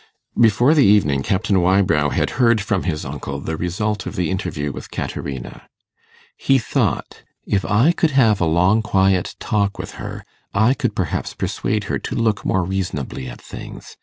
Before the evening, Captain Wybrow had heard from his uncle the result of the interview with Caterina. He thought, 'If I could have a long quiet talk with her, I could perhaps persuade her to look more reasonably at things.